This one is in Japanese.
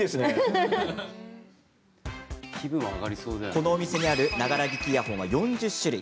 このお店にあるながら聴きイヤホンは４０種類。